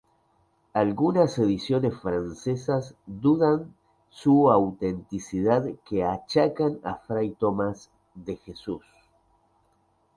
Algunas ediciones francesas dudan de su autenticidad que achacan a fray Tomas de Jesús.